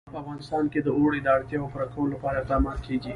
په افغانستان کې د اوړي د اړتیاوو پوره کولو لپاره اقدامات کېږي.